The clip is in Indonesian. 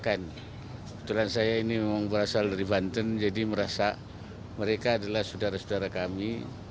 kebetulan saya ini memang berasal dari banten jadi merasa mereka adalah saudara saudara kami